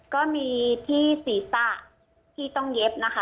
ก็มีที่ศีรษะที่ต้องเย็บนะคะ